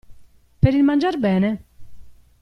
Per il mangiar bene?